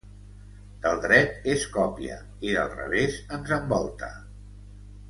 Del dret és còpia i del revés ens envolta.